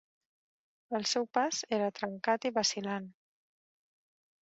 El seu pas era trencat i vacil·lant.